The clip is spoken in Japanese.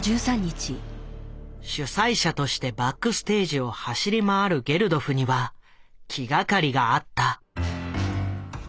主催者としてバックステージを走り回るゲルドフには気がかりがあった。